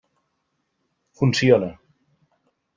Funciona.